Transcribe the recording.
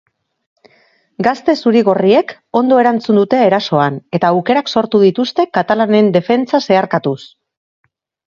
Gazte zuri-gorriek ondo erantzun dute erasoan eta aukerak sortu dituzte katalanen defentsa zeharkatuz.